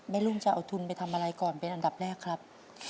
ลุงจะเอาทุนไปทำอะไรก่อนเป็นอันดับแรกครับ